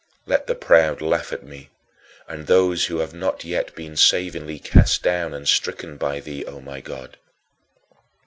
Let the proud laugh at me, and those who have not yet been savingly cast down and stricken by thee, O my God.